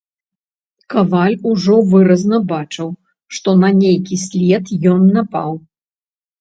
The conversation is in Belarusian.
Каваль ужо выразна бачыў, што на нейкі след ён напаў.